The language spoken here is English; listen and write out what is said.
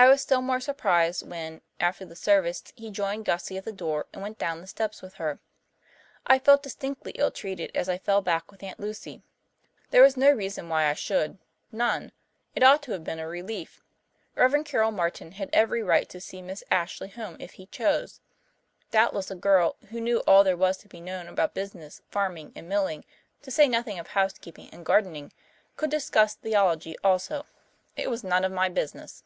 I was still more surprised when, after the service, he joined Gussie at the door and went down the steps with her. I felt distinctly ill treated as I fell back with Aunt Lucy. There was no reason why I should none; it ought to have been a relief. Rev. Carroll Martin had every right to see Miss Ashley home if he chose. Doubtless a girl who knew all there was to be known about business, farming, and milling, to say nothing of housekeeping and gardening, could discuss theology also. It was none of my business.